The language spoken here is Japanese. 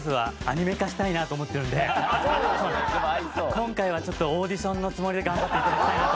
今回はちょっとオーディションのつもりで頑張っていただきたいなと。